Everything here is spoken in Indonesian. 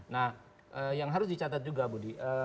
nah yang harus dicatat juga budi